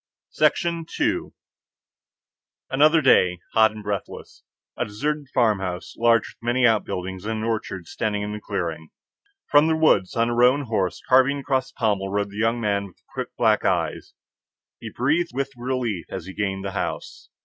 II Another day, hot and breathless. A deserted farmhouse, large, with many outbuildings and an orchard, standing in a clearing. From the Woods, on a roan horse, carbine across pommel, rode the young man with the quick black eyes. He breathed with relief as he gained the house.